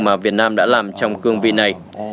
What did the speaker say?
mà việt nam đã làm trong cương vị này